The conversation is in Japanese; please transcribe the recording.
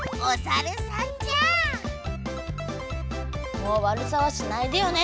もうわるさはしないでよね！